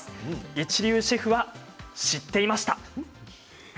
一流シェフは知っていました。